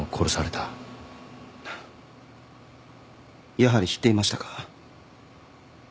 やはり知っていましたか。